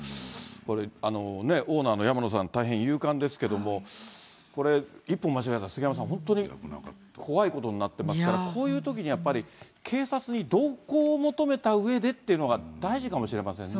これ、オーナーの山野さん、大変勇敢ですけども、これ、一歩間違えたら、杉山さん、怖いことになっていますから、こういうときにやっぱり、警察に同行を求めたうえでっていうのが大事かもしれませんね。